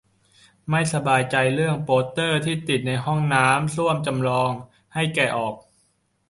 ไม่สบายใจเรื่องโปเตอร์ที่ติดในห้องส้วมจำลอง ให้แกะออก